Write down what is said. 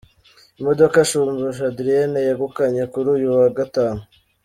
Imodoka Shumbusho Adrien yegukanye kuri uyu wa Gatanu .